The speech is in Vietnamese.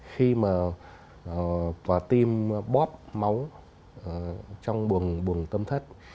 khi mà quả tim bóp máu trong buồng tâm thất